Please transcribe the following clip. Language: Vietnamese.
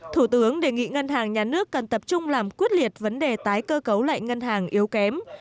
thủ tướng đề nghị ngân hàng nhà nước cần tập trung làm quyết liệt vấn đề tái cơ cấu lại ngân hàng yếu kém